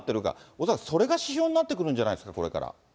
恐らくそれが指標になってくるんじゃないですか、これから。